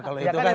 kalau itu kan